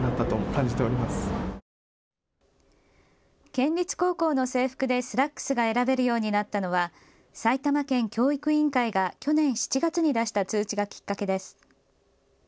県立高校の制服でスラックスが選べるようになったのは埼玉県教育委員会が去年７月に出した通知がきっかけです。